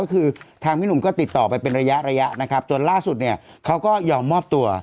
ก็คือทางพี่หนุ่มก็ติดต่อไปเป็นระยะระยะนะครับจนล่าสุดเนี่ยเขาก็ยอมมอบตัว